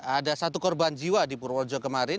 ada satu korban jiwa di purworejo kemarin